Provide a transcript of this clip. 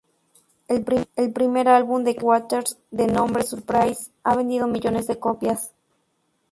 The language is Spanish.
El primer álbum de Crystal Waters, de nombre "Surprise", ha vendido millones de copias.